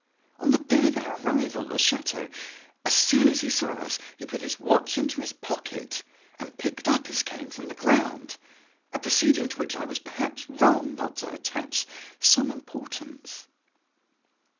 On the day of our arrival at the chateau, as soon as he saw us, he put his watch in his pocket and picked up his cane from the ground a proceeding to which I was perhaps wrong not to attach some importance."